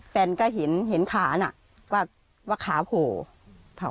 แฟนก็เห็นขานะว่าขาโผล่